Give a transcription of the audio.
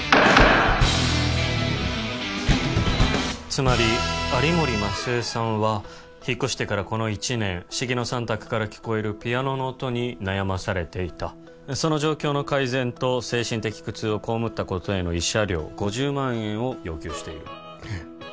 つまり有森万寿江さんは引っ越してからこの１年重野さん宅から聞こえるピアノの音に悩まされていたその状況の改善と精神的苦痛を被ったことへの慰謝料５０万円を要求しているええ